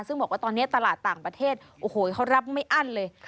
ซึ่งบอกว่าตอนนี้ตลาดต่างประเทศโอ้โหเขารับไม่อั้นเลย